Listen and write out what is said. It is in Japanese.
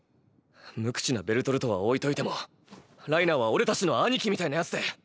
無口なベルトルトは置いといてもライナーはオレたちの兄貴みたいな奴で。